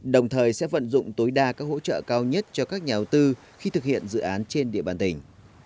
đồng thời sẽ vận dụng tối đa các hỗ trợ cao nhất cho các nhà đầu tư khi thực hiện dự án trên địa bàn tỉnh